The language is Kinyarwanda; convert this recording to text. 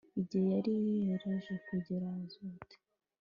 igihe yari yegereje kugera azoti